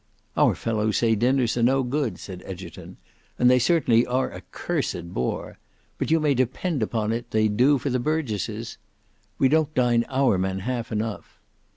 "Our fellows say dinners are no good," said Egerton; "and they certainly are a cursed bore: but you may depend upon it they do for the burgesses. We don't dine our men half enough.